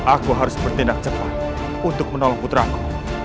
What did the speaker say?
aku harus bertindak cepat untuk menolong putraku